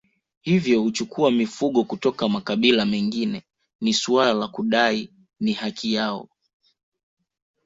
Hivyo huchukua mifugo kutoka makabila mengine ni suala la kudai ni haki yao